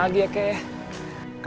kadang kadang aku kemana mana